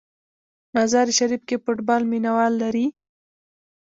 مزار شریف کې فوټبال مینه وال لري.